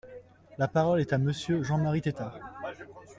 La parole est à Monsieur Jean-Marie Tétart.